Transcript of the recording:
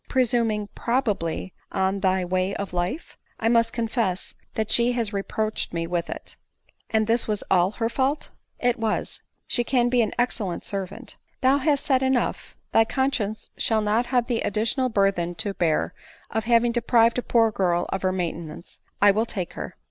" Presuming probably on thy way of life ?"" I must confess that she has reproached me with it." " And this was all her fault?" " It was :— she can be an excellent servant." "Thou hast said enough; thy conscience shall not have the additional burthen to bear, of having deprived a poor girl of her maintenance — I will take her."